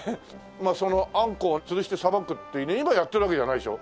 まあそのあんこうを吊るしてさばくって今やってるわけじゃないでしょ？